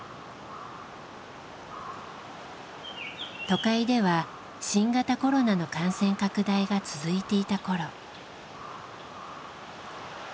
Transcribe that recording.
都会では新型コロナの感染拡大が続いていた頃。